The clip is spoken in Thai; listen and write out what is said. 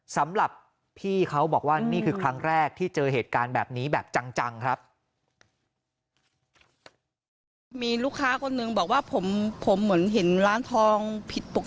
สำหรับพี่เขาบอกว่านี่คือครั้งแรกที่เจอเหตุการณ์แบบนี้แบบจังครับ